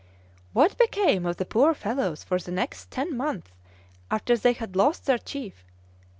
"What became of the poor fellows for the next ten months after they had lost their chief?